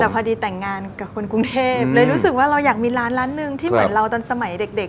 แต่พอดีแต่งงานกับคนกรุงเทพเลยรู้สึกว่าเราอยากมีร้านร้านหนึ่งที่เหมือนเราตอนสมัยเด็ก